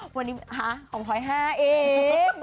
วันนี้ห้ะผมคอยห้าเอง